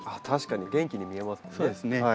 確かに元気に見えますね。